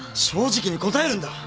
正直に答えるんだ！